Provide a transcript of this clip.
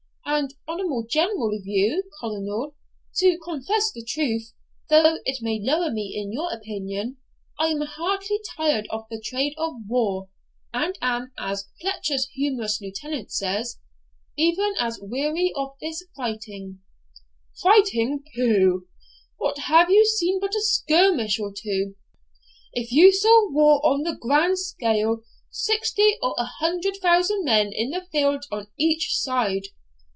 And on a more general view, Colonel, to confess the truth, though it may lower me in your opinion, I am heartly tired of the trade of war, and am, as Fletcher's Humorous Lieutenant says, "even as weary of this fighting '" 'Fighting! pooh, what have you seen but a skirmish or two? Ah! if you saw war on the grand scale sixty or a hundred thousand men in the field on each side!'